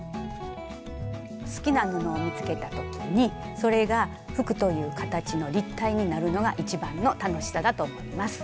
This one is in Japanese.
好きな布を見つけた時にそれが服という形の立体になるのが一番の楽しさだと思います。